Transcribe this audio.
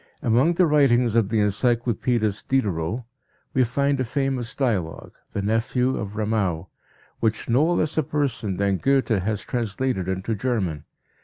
Among the writings of the encyclopedist Diderot we find a famous dialogue, The Nephew of Ramau, which no less a person than Goethe has translated into German.